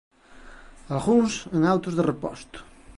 Algúns en autos de reposto.